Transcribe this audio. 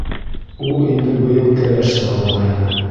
Ул инде быйыл кәләш тә алғайны.